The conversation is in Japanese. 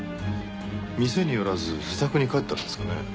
店に寄らず自宅に帰ったんですかね？